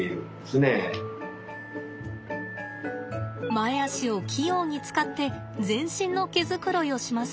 前足を器用に使って全身の毛づくろいをします。